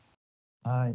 はい。